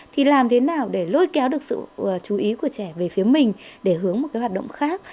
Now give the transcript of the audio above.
thì làm thế nào để lôi kéo được sự chú ý của trẻ về phía mình để hướng một cái hoạt động khác